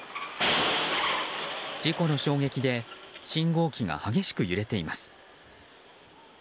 事故の衝撃で信号機が激しく揺れています。